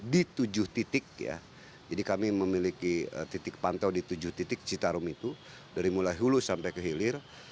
di tujuh titik ya jadi kami memiliki titik pantau di tujuh titik citarum itu dari mulai hulu sampai ke hilir